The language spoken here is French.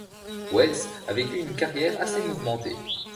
Wells a vécu une carrière assez mouvementée.